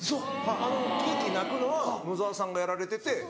あのキキ鳴くのは野沢さんがやられてて。